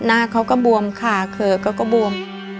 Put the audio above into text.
หน้าเขาก็บวมขาเข่อเขาก็บวม